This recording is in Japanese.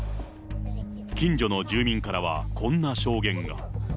近所の住民からはこんな証言が。